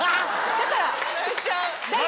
だから。